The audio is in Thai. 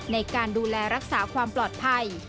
ในการดูแลรักษาความปลอดภัย